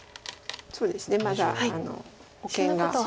そうですねまだ保険が。